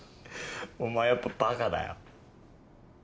お前やっぱバカだよ。